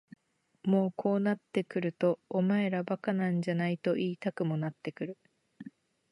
もうこうなってくるとお前ら馬鹿なんじゃないと言いたくもなってくる。